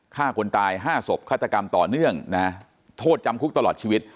ฆ่าคนตาย๕ศพฆาตกรรมต่อเนื่องนะโทษจำคุกตลอดชีวิต